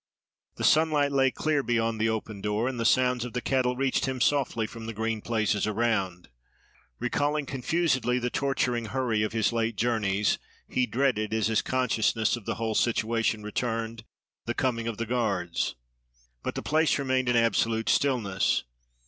The sunlight lay clear beyond the open door; and the sounds of the cattle reached him softly from the green places around. Recalling confusedly the torturing hurry of his late journeys, he dreaded, as his consciousness of the whole situation returned, the coming of the guards. But the place remained in absolute stillness.